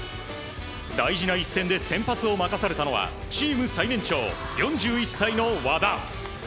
大事な一戦で先発を任されたのはチーム最年長４１歳の和田。